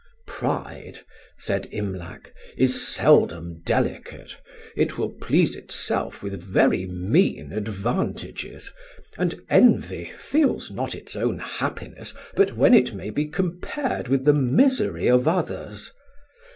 "Pride," said Imlac, "is seldom delicate; it will please itself with very mean advantages, and envy feels not its own happiness but when it may be compared with the misery of others.